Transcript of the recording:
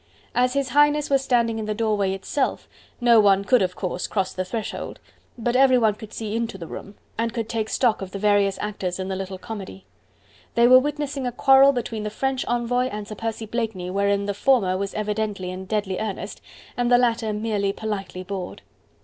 As His Highness was standing in the doorway itself, no one could of course cross the threshold, but everyone could see into the room, and could take stock of the various actors in the little comedy. They were witnessing a quarrel between the French envoy and Sir Percy Blakeney wherein the former was evidently in deadly earnest and the latter merely politely bored.